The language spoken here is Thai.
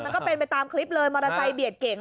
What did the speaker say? ก็เป็นไปตามคลิปเลยมอเตอร์ไซค์เบียดเก่ง